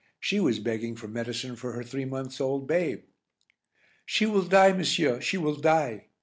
She was begging for medicine for her three months old babe. "She will die, monsieur, she will die!"